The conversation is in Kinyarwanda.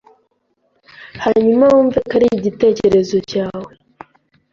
hanyuma wumve ko ari igitekerezo cyawe